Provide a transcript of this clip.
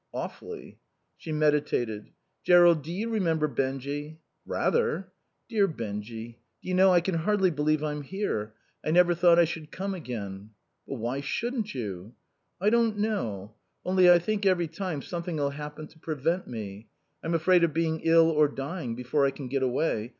"Awfully." She meditated. "Jerrold, do you remember Benjy?" "Rather." "Dear Benjy... Do you know, I can hardly believe I'm here. I never thought I should come again." "But why shouldn't you?" "I don't know. Only I think every time something'll happen to prevent me. I'm afraid of being ill or dying before I can get away.